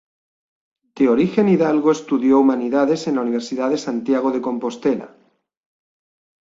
De origen hidalgo, estudió Humanidades en la Universidad de Santiago de Compostela.